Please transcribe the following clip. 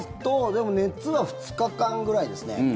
でも、熱は２日間ぐらいですね。